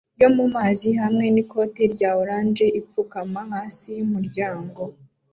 yo mu mazi hamwe n'ikoti rya orange apfukama hafi y'umuryango